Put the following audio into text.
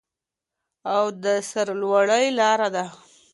او د سرلوړۍ لاره ده.